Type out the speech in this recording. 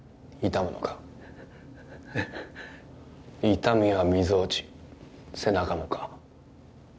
痛みはみぞおち背中もか？